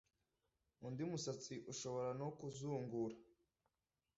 Undi musatsi ushobora no kuzungura